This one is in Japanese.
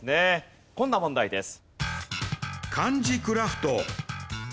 こんな問題です。